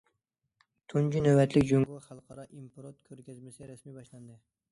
تۇنجى نۆۋەتلىك جۇڭگو خەلقئارا ئىمپورت كۆرگەزمىسى رەسمىي باشلاندى.